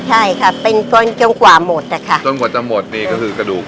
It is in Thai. ใช่ค่ะเป็นต้นจนกว่าหมดอะค่ะจนกว่าจะหมดนี่ก็คือกระดูก